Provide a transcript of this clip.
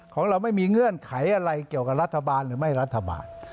ของเราไม่มีเงื่อนไขอะไรเกี่ยวกับรัฐบาลหรือไม่รัฐบาล